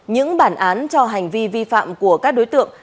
những bản án cho hành vi vi phạm của các đối tượng